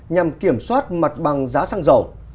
nhằm kiểm soát mặt bằng giá xăng dầu